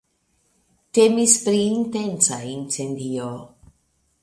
Temis pri intenca incendio.